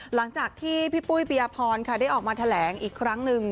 หลังจากที่พี่ปุ้ยปียพรค่ะได้ออกมาแถลงอีกครั้งหนึ่ง